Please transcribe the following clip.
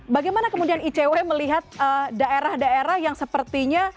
bagaimana kemudian icw melihat daerah daerah yang sepertinya